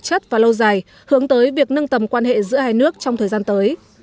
chất và lâu dài hướng tới việc nâng tầm quan hệ giữa hai nước trong thời gian tới